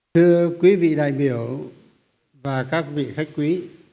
thưa quý vị đại biểu và các vị khách quý